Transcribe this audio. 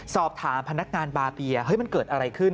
สอบถามพนักงานบาเบียเฮ้ยมันเกิดอะไรขึ้น